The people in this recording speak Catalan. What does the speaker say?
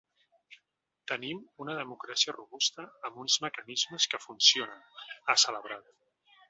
“Tenim una democràcia robusta, amb uns mecanismes que funcionen”, ha celebrat.